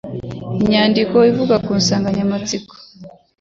Imyandiko ivuga ku nsanganyamatsiko